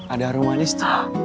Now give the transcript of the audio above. ada harum manis tuh